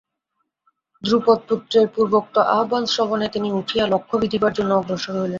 দ্রুপদপুত্রের পূর্বোক্ত আহ্বান-শ্রবণে তিনি উঠিয়া লক্ষ্য বিঁধিবার জন্য অগ্রসর হইলেন।